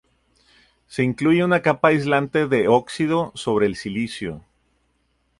Se incluye una capa aislante de óxido sobre el silicio.